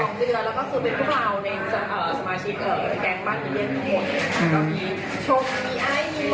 แล้วก็สรุปเป็นพวกเราสหชิตแกงบ้านมีเรียนยุค